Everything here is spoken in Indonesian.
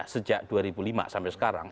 sejak dua ribu lima sampai sekarang